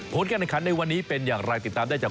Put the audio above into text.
โพสต์แค่ในขั้นในวันนี้เป็นอย่างรายติดตามได้จาก